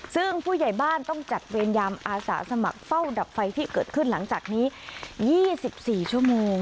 ซึ่งผู้ใหญ่บ้านต้องจัดเวรยามอาสาสมัครเฝ้าดับไฟที่เกิดขึ้นหลังจากนี้๒๔ชั่วโมง